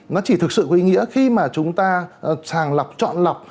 nó chỉ thực sự có ý nghĩa khi mà chúng ta sàng lọc chọn lọc